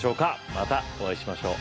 またお会いしましょう。